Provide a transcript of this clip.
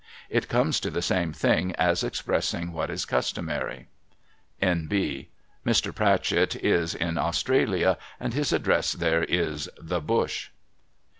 It comes to the same thing as expressing what is customary. (N.B. Mr. Pratchett is in Australia, and his address there is ' the Bush.')